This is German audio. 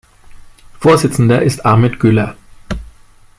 Vorsitzender ist Ahmet Güler.